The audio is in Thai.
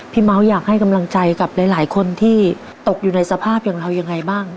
เมาส์อยากให้กำลังใจกับหลายคนที่ตกอยู่ในสภาพอย่างเรายังไงบ้าง